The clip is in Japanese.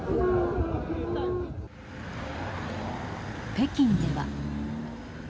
北京では。